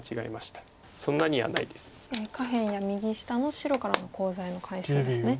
下辺や右下の白からのコウ材の回数ですね。